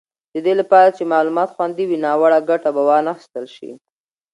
د دې لپاره چې معلومات خوندي وي، ناوړه ګټه به وانخیستل شي.